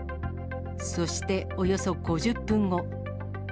そしておよそ５０分後。